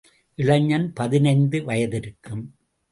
இளைஞன், பதினைந்து வயதிருக்கும்.